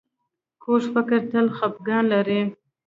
کوږ فکر تل خپګان لري